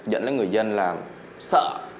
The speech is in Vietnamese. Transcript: dẫn đến người dân là sợ